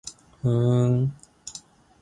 ふーん